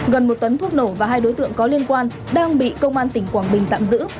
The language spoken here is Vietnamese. gần một tấn thuốc nổ và hai đối tượng có liên quan đang bị công an tỉnh quảng bình tạm giữ